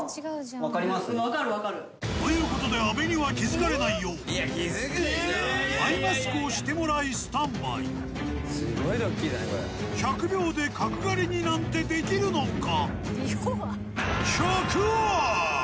分かる分かるということで安部には気づかれないようアイマスクをしてもらいスタンバイ１００秒で角刈りになんてできるのか？